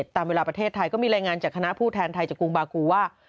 ตามเวลาประเทศไทยก็มีรายงานจากคณะผู้แทนไทยจากกรุงบากูว่า